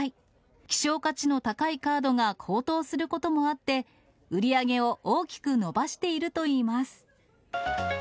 希少価値の高いカードが高騰することもあって、売り上げを大きく伸ばしているといいます。